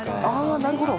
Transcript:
なるほど。